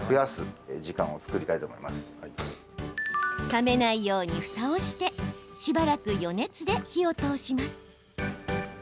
冷めないように、ふたをしてしばらく余熱で火を通します。